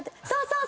そう！